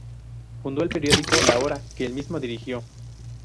Fundó el periódico "La Hora", que el mismo dirigió.